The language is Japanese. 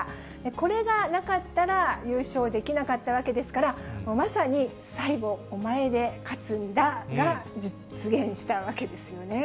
これがなかったら、優勝できなかったわけですから、まさに最後、お前で勝つんだが実現したわけですよね。